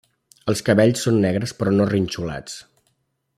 Els cabells són negres però no rinxolats.